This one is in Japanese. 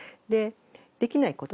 「できないこと」